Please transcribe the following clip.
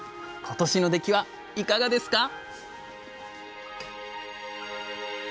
今年の出来はいかがですか？